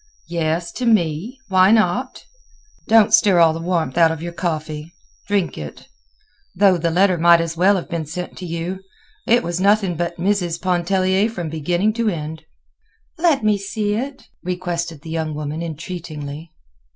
"Yes, to me. Why not? Don't stir all the warmth out of your coffee; drink it. Though the letter might as well have been sent to you; it was nothing but Mrs. Pontellier from beginning to end." "Let me see it," requested the young woman, entreatingly.